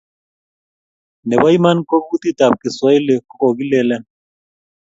Nebo iman ko kutitab Kiswahili kokokilene?